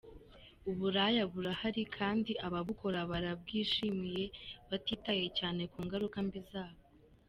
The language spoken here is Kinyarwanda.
Ubulaya burahari kandi ababukora barabwishimiye, batitaye cyane ku ngaruka mbi zabwo !